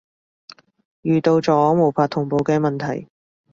遇到咗無法同步嘅問題